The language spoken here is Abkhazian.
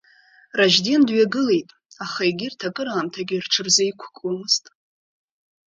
Ражьден дҩагылеит, аха егьырҭ акыраамҭагьы рҽырзеиқәкуамызт.